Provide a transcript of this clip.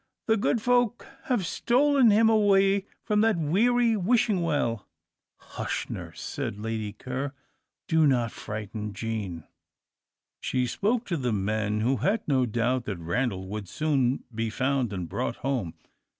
The good folk have stolen him away from that weary Wishing Well!" * Tint, lost. "Hush, nurse," said Lady Ker, "do not frighten Jean." She spoke to the men, who had no doubt that Randal would soon be found and brought home.